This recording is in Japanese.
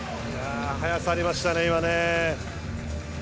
速さありましたね、今ね。